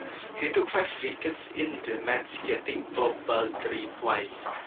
He took five wickets in the match getting Bob Baldry twice.